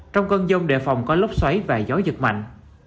trong cơn giông đệ phòng có lốc xoáy và gió giật mạnh